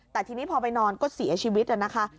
แต่ทีนี้พอไปนอนก็เสียชีวิตนะคะ